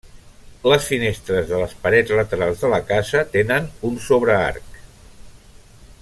Les finestres de les parets laterals de la casa tenen un sobrearc.